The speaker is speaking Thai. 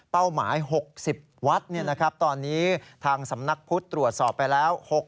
หมาย๖๐วัดตอนนี้ทางสำนักพุทธตรวจสอบไปแล้ว